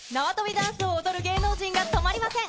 ダンスを踊る芸能人が止まりません。